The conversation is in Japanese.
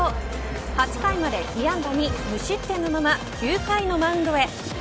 ８回まで被安打２無失点のまま９回のマウンドへ。